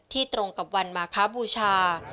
ตรงกับวันมาคบูชา